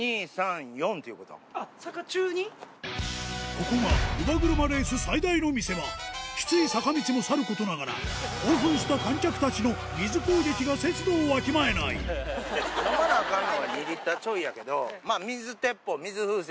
ここが乳母車レース最大の見せ場きつい坂道もさることながら興奮した観客たちの水攻撃が節度をわきまえない出るよね。